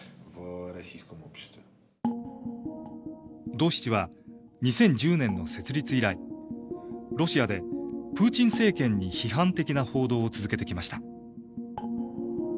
「ドーシチ」は２０１０年の設立以来ロシアでプーチン政権に批判的な報道を続けてきました。